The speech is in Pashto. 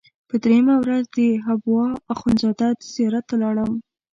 په درېیمه ورځ د حبوا اخندزاده زیارت ته لاړم.